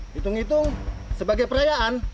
hitung hitung sebagai perayaan